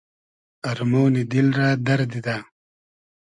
ارمۉنی دیل رۂ دئر دیدۂ